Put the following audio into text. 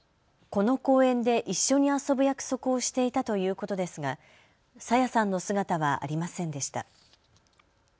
この公園で一緒に遊ぶ約束をしていたということですが朝芽さんの姿はありませんでした。